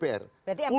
berarti mk ugal ugalan